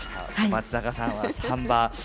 松坂さんは３番。